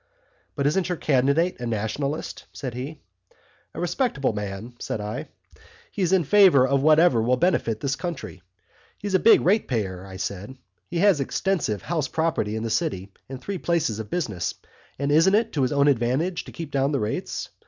'But isn't your candidate a Nationalist?' said he. 'He's a respectable man,' said I. 'He's in favour of whatever will benefit this country. He's a big ratepayer,' I said. 'He has extensive house property in the city and three places of business and isn't it to his own advantage to keep down the rates?